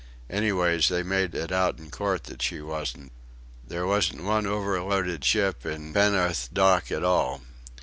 Anyways they made it out in court that she wasn't. There wasn't one overloaded ship in Penarth Dock at all.